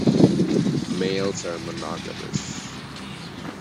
Males are monogamous.